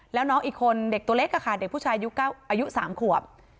แล้วน้องอีกคนเด็กตัวเล็กค่ะเด็กผู้ชายอายุ๓ขวบ